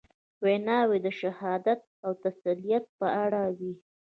ویناوي د شهادت او تسلیت په اړه وې.